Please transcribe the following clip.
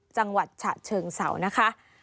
จังหวัดฉะเชิงเสานะคะ